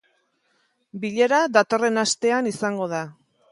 Bilera datorren astean izango da.